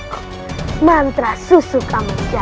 kamu akan direbuah ke kerumun bersama mereka